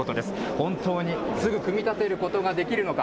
本当にすぐ組み立てることができるのか。